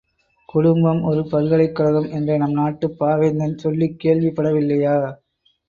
குடும்பம் ஒரு பல்கலைக் கழகம் என்ற நம் நாட்டுப் பாவேந்தன் சொல்லிக் கேள்விப்படவில்லையா?